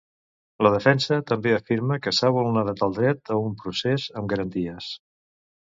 La defensa també afirma que s'ha vulnerat el dret a un procés amb garanties.